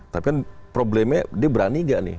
tapi kan problemnya dia berani gak nih